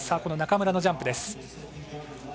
中村のジャンプです。